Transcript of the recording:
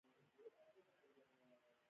راباندې په پښو کړل.